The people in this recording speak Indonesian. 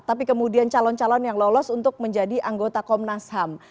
tapi kemudian calon calon yang lolos untuk menjadi anggota komnas ham